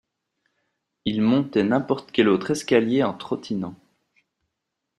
Il montait n’importe quel autre escalier en trottinant